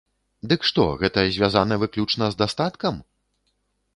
Дык што, гэта звязана выключна з дастаткам?